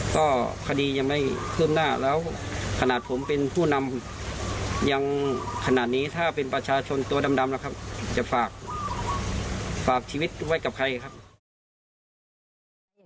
ก็คดียังไม่คืบหน้าแล้วขนาดผมเป็นผู้นำยังขนาดนี้ถ้าเป็นประชาชนตัวดำแล้วครับจะฝากชีวิตไว้กับใครครับ